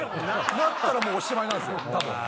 なったらもうおしまいなんですよ多分。